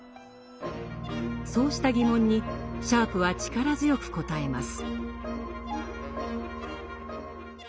そうした疑問にシャープは力強く答えます。